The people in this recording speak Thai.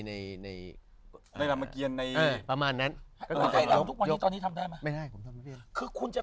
เราเคยนับ๑๒๓๔๕